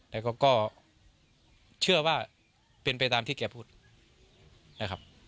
แต่เขาก็เชื่อว่าเป็นไปตามที่แกพูดนะครับ